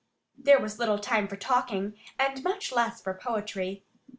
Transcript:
There was little time for talking, and much less for poetry.